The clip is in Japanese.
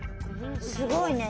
すごいね。